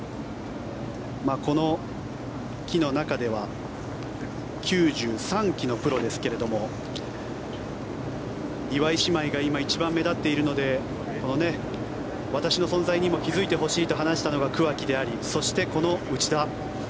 この期の中では９３期のプロですけれども岩井姉妹が今、一番目立っているので私の存在にも気付いてほしいと話したのが桑木でありそして、この内田。